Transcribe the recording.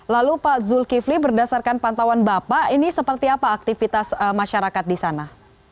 lalu pak zulkifli berdasarkan pantauan bapak ini seperti apa aktivitas masyarakat di sana